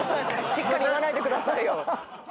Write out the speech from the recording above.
しっかり言わないでくださいよ